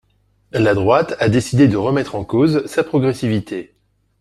La droite a décidé de remettre en cause sa progressivité.